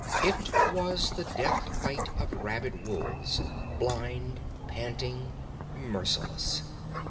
It was the death fight of rabid wolves, blind, panting, merciless.